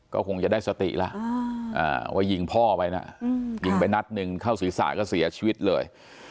ก็คงจะได้สติแล้วว่ายิงพ่อไปนะยิงไปนัดหนึ่งเข้าศีรษะก็เสียชีวิตเลย